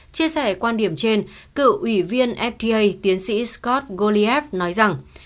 chia sẻ quan điểm trên cựu ủy viên fda tiến sĩ scott gollieb nói rằng